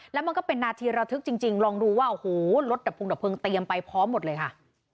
แล้วมันก็เป็นนาทีระทึกจริงลองดูว่าโอ้โหรถดับพงดับเพลิงเตรียมไปพร้อมหมดเลยค่ะ